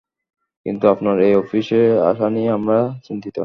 কিন্তু আপনার এই অফিসে আসা নিয়ে আমরা চিন্তিত।